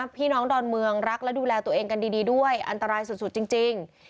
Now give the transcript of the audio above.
พี่น้องดอนเมืองรักและดูแลตัวเองกันดีด้วยอันตรายสุดจริง